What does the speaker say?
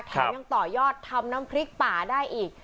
ยังต่อยอดทำน้ำพริกป่าได้อีก